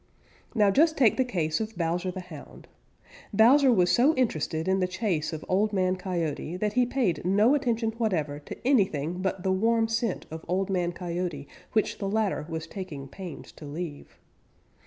Now just take the case of Bowser the Hound. Bowser was so interested in the chase of Old Man Coyote that he paid no attention whatever to anything but the warm scent of Old Man Coyote which the latter was taking pains to leave.